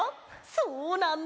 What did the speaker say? そうなんだ！